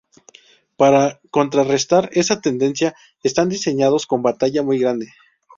Para contrarrestar esa tendencia están diseñados con batalla muy grande.